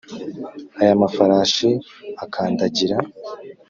ay, amafarashi akandagira,